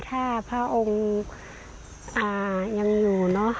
ถ้าพระองค์ยังอยู่